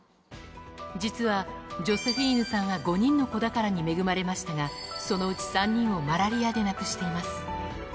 実はジョセフィーンさんは５人の子宝に恵まれましたが、そのうち３人をマラリアで亡くしています。